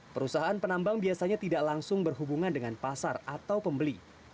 perusahaan penambang biasanya tidak langsung berhubungan dengan pasar atau pembeli